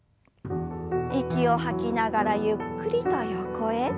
息を吐きながらゆっくりと横へ。